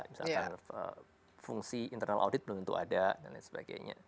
misalkan fungsi internal audit belum tentu ada dan lain sebagainya